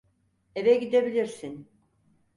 Eve gidebilirsin.